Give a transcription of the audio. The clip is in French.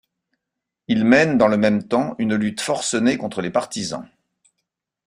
Il mène dans le même temps une lutte forcenée contre les partisans.